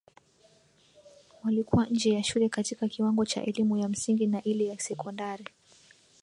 walikuwa nje ya shule katika kiwango cha elimu ya msingi na ile ya sekondari